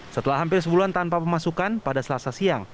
setelah hampir sebulan tanpa pemasukan pada selasa siang